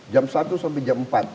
jam satu sampai jam empat